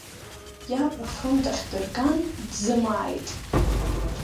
Иаб афронт ахь дырган, дзымааит.